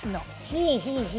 ほうほうほう。